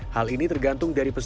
hal ini tergantung dari peserta